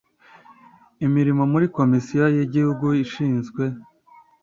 imirimo muri Komisiyo y Igihugu ishinzwe